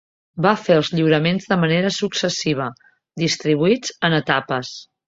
Va fer els lliuraments de manera successiva, distribuïts en etapes.